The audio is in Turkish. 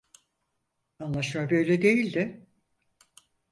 Anlaşma böyle değildi.